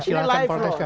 silahkan protes saya